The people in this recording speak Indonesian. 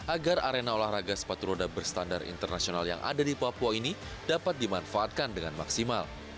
agar arena olahraga sepatu roda berstandar internasional yang ada di papua ini dapat dimanfaatkan dengan maksimal